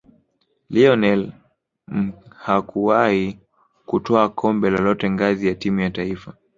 lionel mhakuwahi kutwaa kombe lolote ngazi ya timu ya taifa